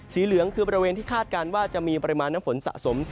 เหลืองคือบริเวณที่คาดการณ์ว่าจะมีปริมาณน้ำฝนสะสม